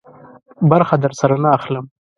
برخه درسره نه اخلم.